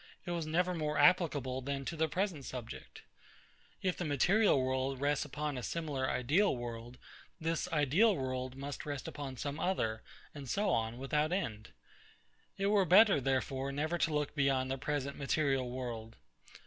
It was never more applicable than to the present subject. If the material world rests upon a similar ideal world, this ideal world must rest upon some other; and so on, without end. It were better, therefore, never to look beyond the present material world.